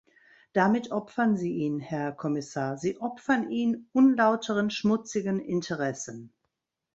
Damit opfern Sie ihn, Herr Kommissar, Sie opfern ihn unlauteren, schmutzigen Interessen.